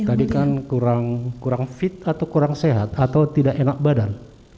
tadi kan kurang fit atau kurang sehat atau tidak enak badan